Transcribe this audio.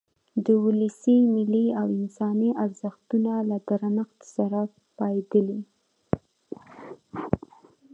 د ولسي، ملي او انساني ارزښتونو له درنښت سره پاېدلی.